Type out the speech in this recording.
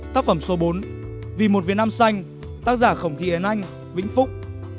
tác phẩm số bốn vì một việt nam xanh tác giả khổng thị yến anh vĩnh phúc